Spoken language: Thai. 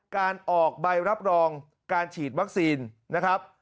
การออกใบรับรองการฉีดวัคซีนนะครับ